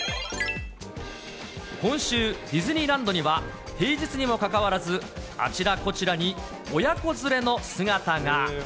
今週、ディズニーランドには、平日にもかかわらず、あちらこちらに親子連れの姿が。